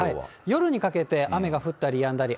夜にかけて雨が降ったりやんだり。